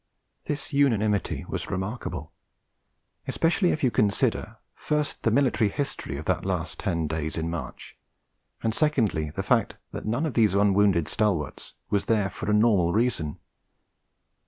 This unanimity was remarkable; especially if you consider, first the military history of that last ten days in March, and secondly the fact that none of these unwounded stalwarts was there for a normal reason.